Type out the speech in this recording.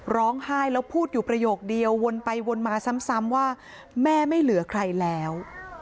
ร้องไห้แล้วพูดอยู่ประโยคเดียววนไปวนมาซ้ำว่าแม่ไม่เหลือใครแล้ว